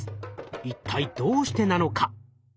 一体どうしてなのか？